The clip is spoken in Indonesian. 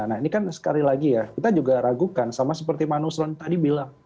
nah ini kan sekali lagi ya kita juga ragukan sama seperti pak nusron tadi bilang